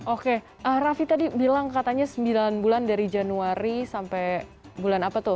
oke raffi tadi bilang katanya sembilan bulan dari januari sampai bulan apa tuh